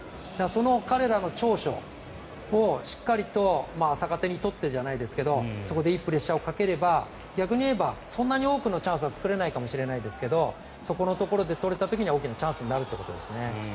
その彼らの長所をしっかりと逆手に取ってじゃないですがそこでいいプレッシャーをかければ逆に言えばそんなに多くのチャンスは作れないかもしれないですがそこのところで取れた時は大きなチャンスになるということですね。